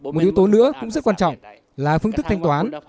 một yếu tố nữa cũng rất quan trọng là phương thức thanh toán